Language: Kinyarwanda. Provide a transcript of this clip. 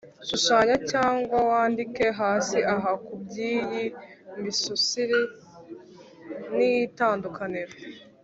Shushanya cyangwa wandike hasi aha ku by iyi misusire n itandukaniro